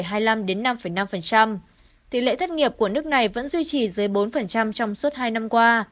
tỷ lệ thất nghiệp của nước này vẫn duy trì dưới bốn trong suốt hai năm qua